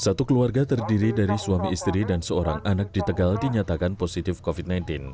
satu keluarga terdiri dari suami istri dan seorang anak di tegal dinyatakan positif covid sembilan belas